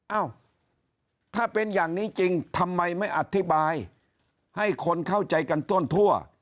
เอ้าถ้าเป็นอย่างนี้จริงทำไมไม่อธิบายให้คนเข้าใจกันทั่ว